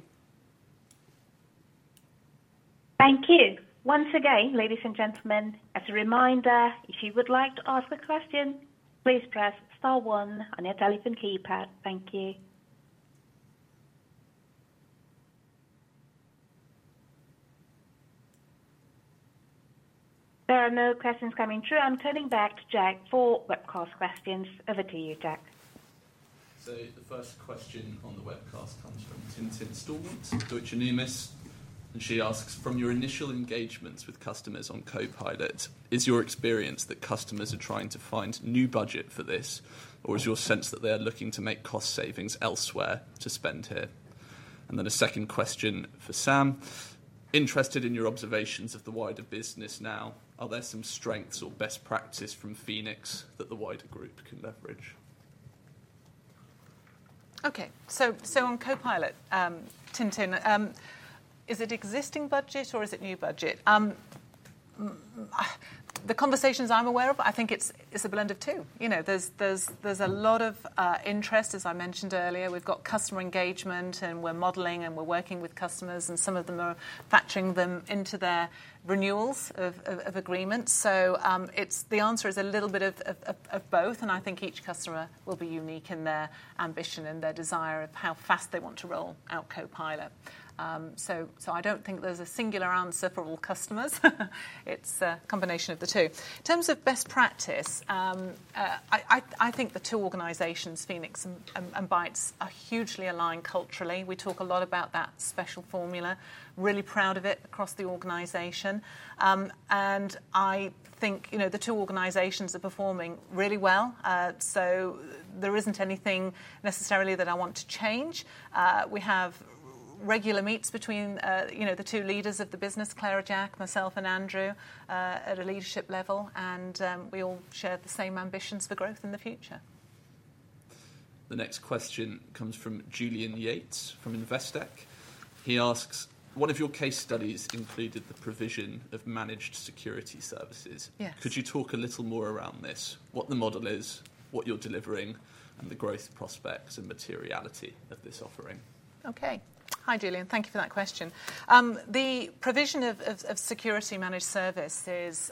Thank you. Once again, ladies and gentlemen, as a reminder, if you would like to ask a question, please press star one on your telephone keypad. Thank you. There are no questions coming through. I'm turning back to Jack for webcast questions. Over to you, Jack. So the first question on the webcast comes from Tintin Stormont, Deutsche Numis, and she asks: From your initial engagements with customers on Copilot, is your experience that customers are trying to find new budget for this? Or is your sense that they are looking to make cost savings elsewhere to spend here? And then a second question for Sam: Interested in your observations of the wider business now, are there some strengths or best practice from Phoenix that the wider group can leverage? Okay. So on Copilot, Tintin, is it existing budget or is it new budget? The conversations I'm aware of, I think it's a blend of two. You know, there's a lot of interest, as I mentioned earlier. We've got customer engagement, and we're modeling, and we're working with customers, and some of them are factoring them into their renewals of agreements. So, the answer is a little bit of both, and I think each customer will be unique in their ambition and their desire of how fast they want to roll out Copilot. So, I don't think there's a singular answer for all customers. It's a combination of the two. In terms of best practice, I think the two organizations, Phoenix and Bytes, are hugely aligned culturally. We talk a lot about that special formula, really proud of it across the organization. I think, you know, the two organizations are performing really well, so there isn't anything necessarily that I want to change. We have regular meets between, you know, the two leaders of the business, Clare, Jack, myself, and Andrew, at a leadership level, and we all share the same ambitions for growth in the future. The next question comes from Julian Yates, from Investec. He asks: One of your case studies included the provision of managed security services. Yes. Could you talk a little more around this, what the model is, what you're delivering, and the growth prospects and materiality of this offering? Okay. Hi, Julian, thank you for that question. The provision of security managed service is,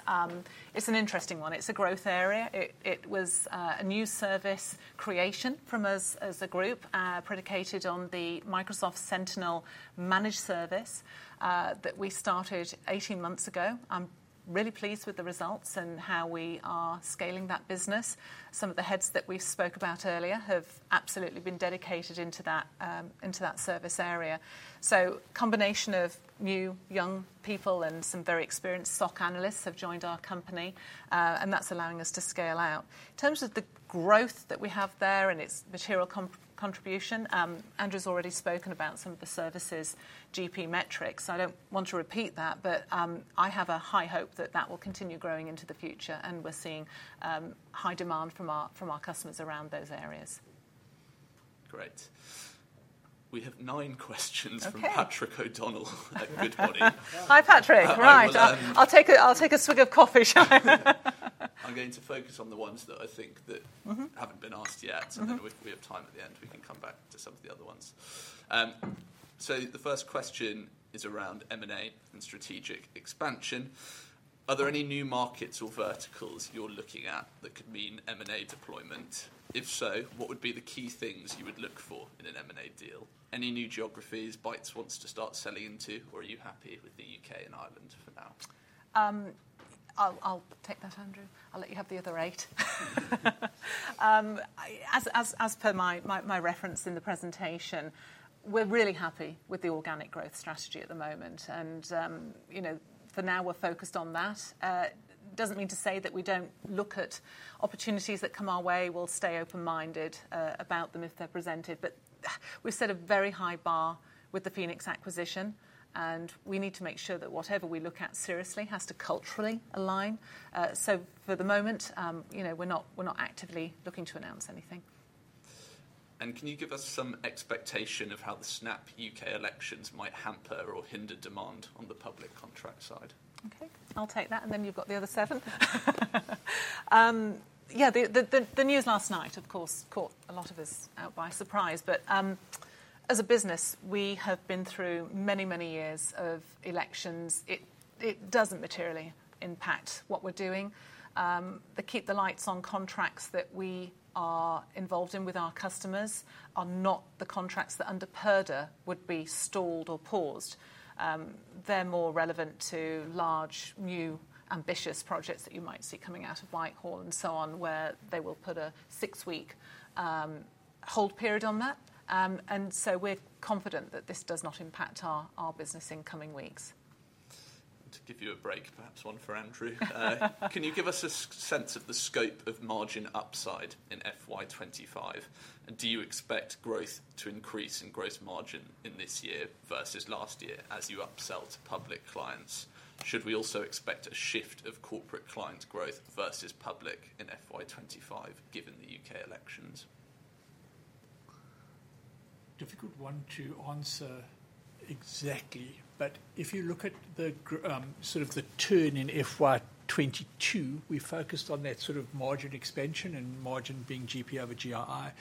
it's an interesting one. It's a growth area. It was a new service creation from us as a group, predicated on the Microsoft Sentinel Managed Service, that we started 18 months ago. I'm really pleased with the results and how we are scaling that business.... Some of the heads that we spoke about earlier have absolutely been dedicated into that service area. So combination of new young people and some very experienced SOC analysts have joined our company, and that's allowing us to scale out. In terms of the growth that we have there and its material contribution, Andrew's already spoken about some of the services' GP metrics. I don't want to repeat that, but I have a high hope that that will continue growing into the future, and we're seeing high demand from our customers around those areas. Great. We have nine questions- Okay. from Patrick O'Donnell at Goodbody. Hi, Patrick. Right. Uh- I'll take a swig of coffee. I'm going to focus on the ones that I think that- Mm-hmm. Haven't been asked yet. Mm-hmm. And then if we have time at the end, we can come back to some of the other ones. So the first question is around M&A and strategic expansion. Are there any new markets or verticals you're looking at that could mean M&A deployment? If so, what would be the key things you would look for in an M&A deal? Any new geographies Bytes wants to start selling into, or are you happy with the U.K. and Ireland for now? I'll take that, Andrew. I'll let you have the other eight. As per my reference in the presentation, we're really happy with the organic growth strategy at the moment, and, you know, for now, we're focused on that. Doesn't mean to say that we don't look at opportunities that come our way. We'll stay open-minded about them if they're presented, but, we've set a very high bar with the Phoenix acquisition, and we need to make sure that whatever we look at seriously has to culturally align. So for the moment, you know, we're not, we're not actively looking to announce anything. Can you give us some expectation of how the snap UK elections might hamper or hinder demand on the public contract side? Okay, I'll take that, and then you've got the other seven. Yeah, the news last night, of course, caught a lot of us out by surprise, but, as a business, we have been through many, many years of elections. It doesn't materially impact what we're doing. The keep the lights on contracts that we are involved in with our customers are not the contracts that under purdah would be stalled or paused. They're more relevant to large, new, ambitious projects that you might see coming out of Whitehall and so on, where they will put a six-week hold period on that. And so we're confident that this does not impact our business in coming weeks. To give you a break, perhaps one for Andrew. Can you give us a sense of the scope of margin upside in FY 25, and do you expect growth to increase in gross margin in this year versus last year as you upsell to public clients? Should we also expect a shift of corporate clients' growth versus public in FY 25, given the UK elections? Difficult one to answer exactly, but if you look at sort of the turn in FY 2022, we focused on that sort of margin expansion and margin being GP over GII.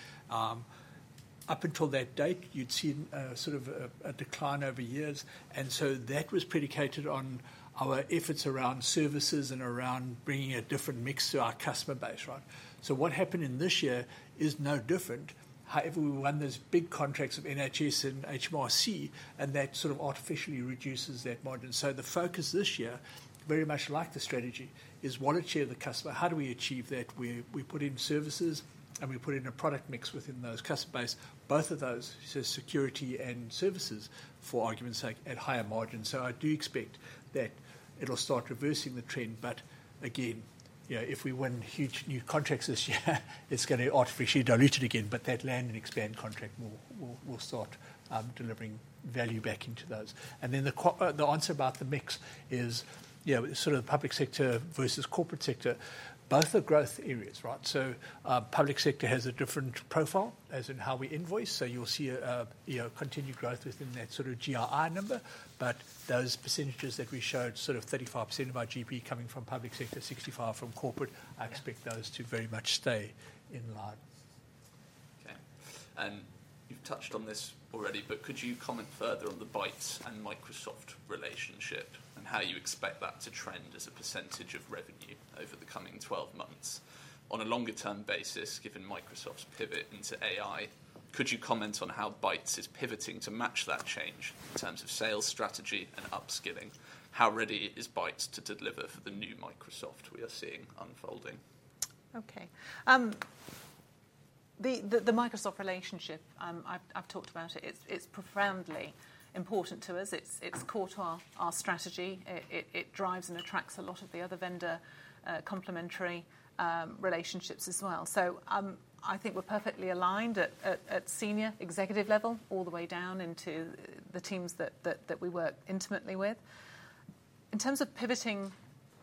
Up until that date, you'd seen sort of a decline over years, and so that was predicated on our efforts around services and around bringing a different mix to our customer base, right? So what happened in this year is no different. However, we won those big contracts of NHS and HMRC, and that sort of artificially reduces that margin. So the focus this year, very much like the strategy, is wallet share of the customer. How do we achieve that? We put in services, and we put in a product mix within those customer base, both of those, so security and services, for argument's sake, at higher margins. So I do expect that it'll start reversing the trend, but again, you know, if we win huge new contracts this year, it's gonna artificially dilute it again, but that land and expand contract will, will, will start delivering value back into those. And then the answer about the mix is, you know, sort of public sector versus corporate sector, both are growth areas, right? So public sector has a different profile as in how we invoice, so you'll see a, you know, continued growth within that sort of GII number, but those percentages that we showed, sort of 35% of our GP coming from public sector, 65 from corporate- Yeah... I expect those to very much stay in line. Okay, and you've touched on this already, but could you comment further on the Bytes and Microsoft relationship and how you expect that to trend as a percentage of revenue over the coming twelve months? On a longer-term basis, given Microsoft's pivot into AI, could you comment on how Bytes is pivoting to match that change in terms of sales strategy and upskilling? How ready is Bytes to deliver for the new Microsoft we are seeing unfolding? Okay. The Microsoft relationship, I've talked about it, it's profoundly important to us. It's caught our strategy. It drives and attracts a lot of the other vendor complementary relationships as well. So, I think we're perfectly aligned at senior executive level all the way down into the teams that we work intimately with. In terms of pivoting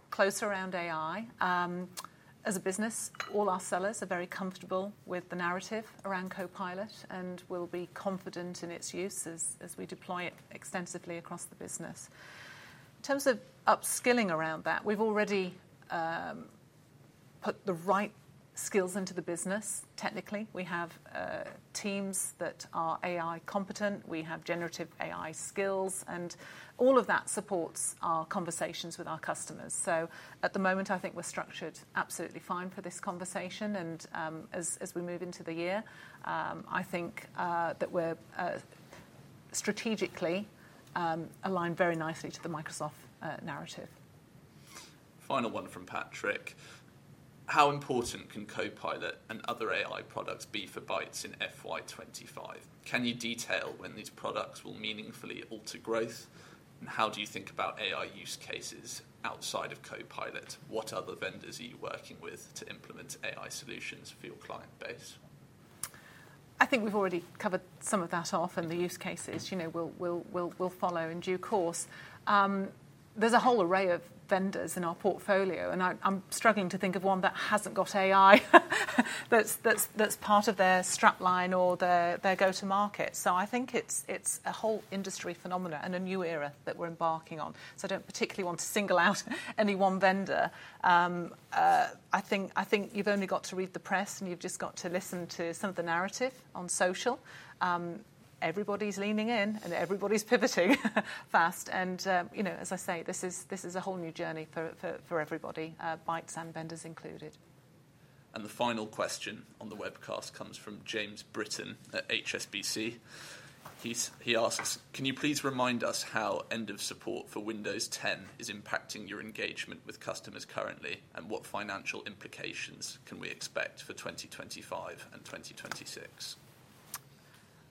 closer around AI, as a business, all our sellers are very comfortable with the narrative around Copilot and will be confident in its use as we deploy it extensively across the business. In terms of upskilling around that, we've already put the right skills into the business. Technically, we have teams that are AI competent, we have generative AI skills, and all of that supports our conversations with our customers. So at the moment, I think we're structured absolutely fine for this conversation, and as we move into the year, I think that we're strategically align very nicely to the Microsoft narrative. Final one from Patrick: How important can Copilot and other AI products be for Bytes in FY 25? Can you detail when these products will meaningfully alter growth, and how do you think about AI use cases outside of Copilot? What other vendors are you working with to implement AI solutions for your client base? I think we've already covered some of that off, and the use cases, you know, will follow in due course. There's a whole array of vendors in our portfolio, and I'm struggling to think of one that hasn't got AI, that's part of their strap line or their go-to-market. So I think it's a whole industry phenomenon and a new era that we're embarking on, so I don't particularly want to single out any one vendor. I think you've only got to read the press, and you've just got to listen to some of the narrative on social. Everybody's leaning in, and everybody's pivoting fast. And, you know, as I say, this is a whole new journey for everybody, Bytes and vendors included. The final question on the webcast comes from James Britton at HSBC. He asks: Can you please remind us how end of support for Windows 10 is impacting your engagement with customers currently, and what financial implications can we expect for 2025 and 2026?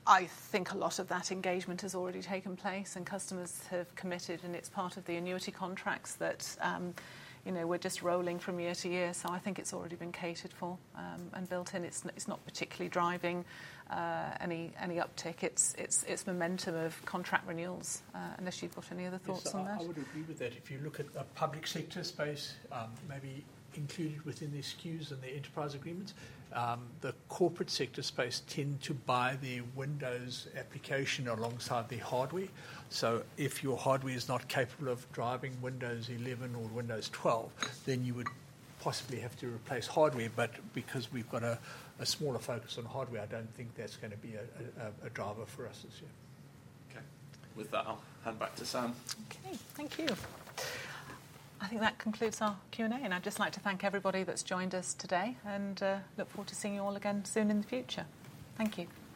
I think a lot of that engagement has already taken place, and customers have committed, and it's part of the annuity contracts that, you know, we're just rolling from year to year, so I think it's already been catered for, and built in. It's not particularly driving any uptick. It's momentum of contract renewals. Unless you've got any other thoughts on that? Yes, I would agree with that. If you look at the public sector space, maybe included within the SKUs and the enterprise agreements, the corporate sector space tend to buy the Windows application alongside the hardware. So if your hardware is not capable of driving Windows 11 or Windows 12, then you would possibly have to replace hardware, but because we've got a smaller focus on hardware, I don't think that's gonna be a driver for us this year. Okay. With that, I'll hand back to Sam. Okay, thank you. I think that concludes our Q&A, and I'd just like to thank everybody that's joined us today and, look forward to seeing you all again soon in the future. Thank you. Thanks.